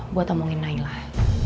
buat omongin nailah